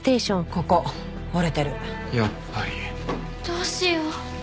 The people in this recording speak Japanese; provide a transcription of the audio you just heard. どうしよう。